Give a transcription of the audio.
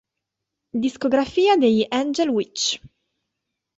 Discografia degli Angel Witch